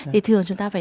thì thường chúng ta phải